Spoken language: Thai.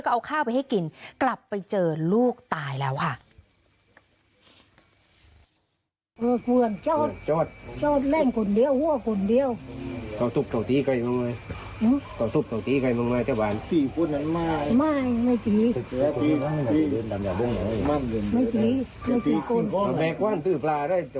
เอาข้าวไปให้กินกลับไปเจอลูกตายแล้วค่ะ